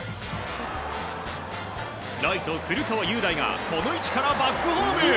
ライト、古川裕大がこの位置からバックホーム。